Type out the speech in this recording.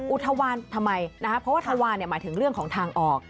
อุทวานทำไมนะครับเพราะว่าทวานหมายถึงเรื่องของทางออก